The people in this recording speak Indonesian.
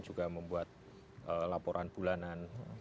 juga membuat laporan bulanan